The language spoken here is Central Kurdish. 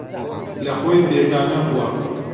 لەخۆی بێگانە بووە